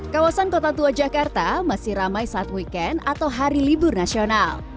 kawasan kota tua jakarta masih ramai saat weekend atau hari libur nasional